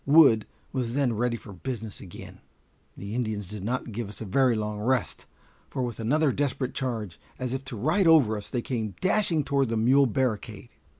Wood was then ready for business again. The Indians did not give us a very long rest, for with another desperate charge, as if to ride over us, they came dashing toward the mule barricade.